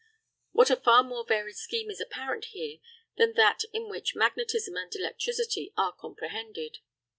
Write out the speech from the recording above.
What a far more varied scheme is apparent here than that in which magnetism and electricity are comprehended.